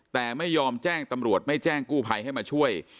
แต่ไม่ยอมแจ้งตำรวจไม่แจ้งกู้ภัยให้มาช่วย